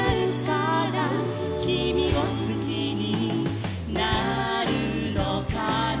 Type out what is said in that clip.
「きみをすきになるのかな」